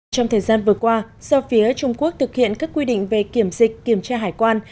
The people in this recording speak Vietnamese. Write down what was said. trong thời gian vừa qua do phía trung quốc thực hiện các quy định về kiểm dịch kiểm tra hải quan